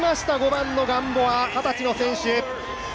５番のガンボア二十歳の選手。